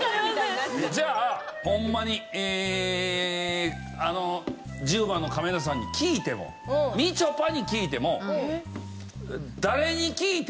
じゃあホンマにあの１０番のカメラさんに聞いてもみちょぱに聞いても。